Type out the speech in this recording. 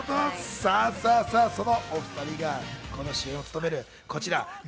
そのお２人が主演を務める、こちら日